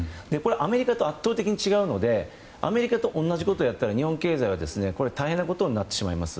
アメリカと圧倒的に違うのでアメリカと同じことをやったら日本経済は大変なことになってしまいます。